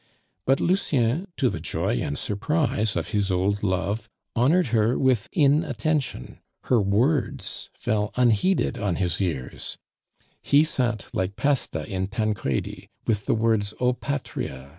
But Lucien, to the joy and surprise of his old love, honored her with inattention; her words fell unheeded on his ears; he sat like Pasta in Tancredi, with the words _O patria!